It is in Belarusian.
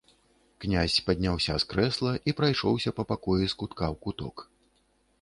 Князь падняўся з крэсла і прайшоўся па пакоі з кутка ў куток.